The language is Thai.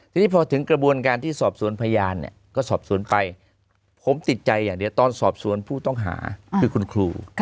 ทีนี้พอถึงกระบวนการที่สอบสวนพยานเนี่ยก็สอบสวนไปผมติดใจอย่างเดียวตอนสอบสวนผู้ต้องหาคือคุณครู